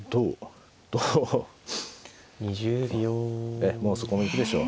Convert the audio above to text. ええもうそこに行くでしょう。